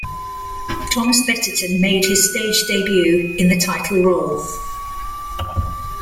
Thomas Betterton made his stage debut in the title role.